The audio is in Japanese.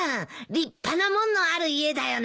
立派な門のある家だよな。